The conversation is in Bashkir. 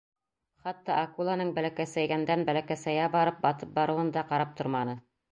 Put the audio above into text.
Хатта акуланың бәләкәсәйгәндән-бәләкәсәйә барып батып барыуын да ҡарап торманы.